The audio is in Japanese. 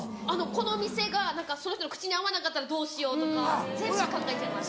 この店が何かその人の口に合わなかったらどうしようとか全部考えちゃいます。